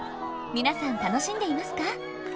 皆さん楽しんでいますか？